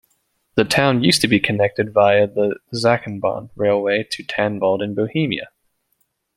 The town used to be connected via the "Zackenbahn" railway to Tanvald in Bohemia.